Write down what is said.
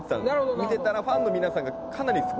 見てたらファンの皆さんがなるほど。